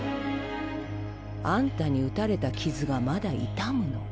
アンタに撃たれた傷がまだ痛むの。